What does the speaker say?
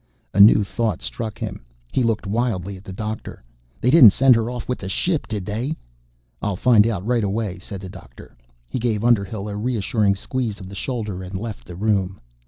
A new thought struck him. He looked wildly at the doctor. "They didn't send her off with the ship, did they?" "I'll find out right away," said the doctor. He gave Underhill a reassuring squeeze of the shoulder and left the room.